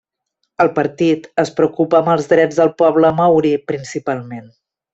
El partit es preocupa amb els drets del poble maori principalment.